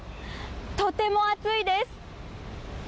とても暑いです。